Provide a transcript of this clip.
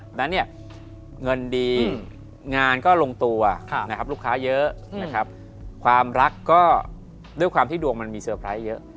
เพราะฉะนั้นเนี่ยเงินดีงานก็ลงตัวนะครับลูกค้าเยอะนะครับความรักก็ด้วยความที่ดวงมันมีเซอร์ไพรส์เยอะ